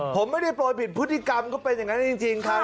ผมไม่ได้โปรยผิดพฤติกรรมก็เป็นอย่างนั้นจริงครับ